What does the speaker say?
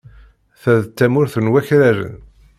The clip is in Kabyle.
Ta d tamurt n wakraren.